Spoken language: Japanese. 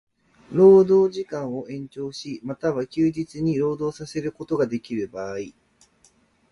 労働時間を延長し、又は休日に労働させることができる場合